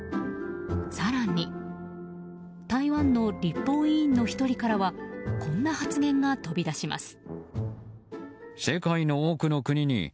更に、台湾の立法委員の１人からはこんな発言が飛び出します。